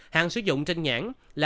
hạn sử dụng trên nhãn là